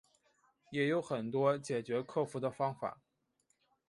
也有很多解决克服的方法